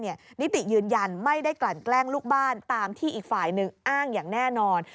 นิติยืนยันไม่ได้กลั่นแกล้งลูกบ้านตามที่อีกฝ่ายหนึ่งอ้างอย่างแน่นอน